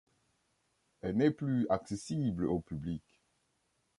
Elle n'est plus accessible au public.